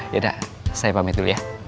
ya dak saya pamit dulu ya